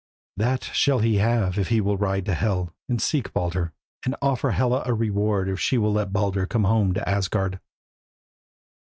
That shall he have if he will ride to Hel, and seek Baldur, and offer Hela a reward if she will let Baldur come home to Asgard."